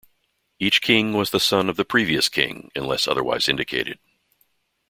Each king was a son of the previous king, unless otherwise indicated.